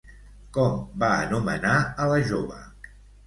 Com va anomenar a la jove?